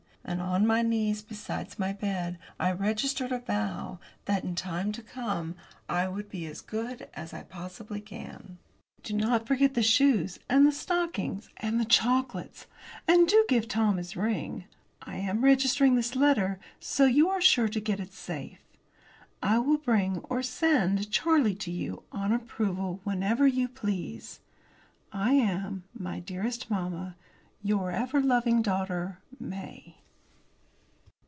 And, on my knees, beside my bed, I registered a vow that, in the time to come, I will be as good as I possibly can. Do not forget the shoes, and the stockings, and the chocolates! And do give Tom his ring! I am registering this letter, so you are sure to get it safe. I will bring, or send, Charlie to you, on approval, whenever you please. I am, my dearest mamma, Your ever loving daughter, MAY.